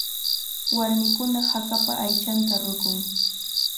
Warmikuna hakapa aychanta ruqun.